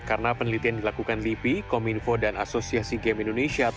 karena penelitian dilakukan lipi kominfo dan asosiasi game indonesia